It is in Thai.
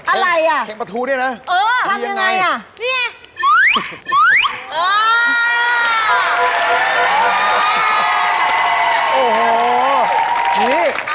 อะไรน่ะทำยังไงพี่นี่